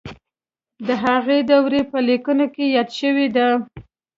د هغې دورې په لیکنو کې یاده شوې ده.